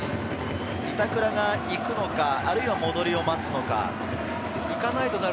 板倉が行くのか、戻りを待つのか。